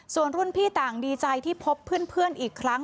ส่วนรุ่นพี่ต่างดีใจที่พบเพื่อนอีกครั้ง